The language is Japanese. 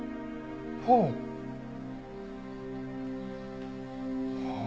ほう。